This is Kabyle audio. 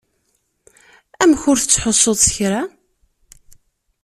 Amek ur tettḥussuḍ s kra?